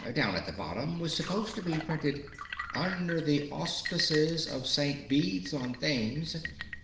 Down at the bottom was supposed to be printed 'Under the auspices of St. Bede's on Thames.'